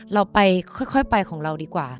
เราไปค่อยไปของเราดีกว่า